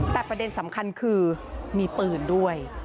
แต่ประเด็นสำคัญคือมีปืนด้วย